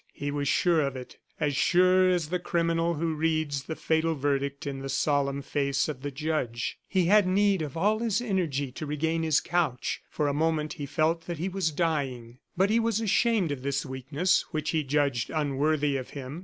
He was sure of it; as sure as the criminal who reads the fatal verdict in the solemn face of the judge. He had need of all his energy to regain his couch. For a moment he felt that he was dying. But he was ashamed of this weakness, which he judged unworthy of him.